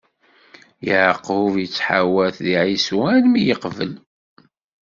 Yeɛqub ittḥawat di Ɛisu armi i yeqbel.